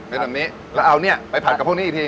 เป็นแบบนี้แล้วเอาเนี่ยไปผัดกับพวกนี้อีกที